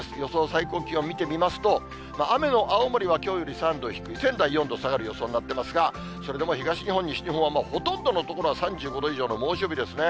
最高気温見てみますと、雨の青森はきょうより３度低い、仙台４度下がる予想になっていますが、それでも東日本、西日本はもうほとんどの所は３５度以上の猛暑日ですね。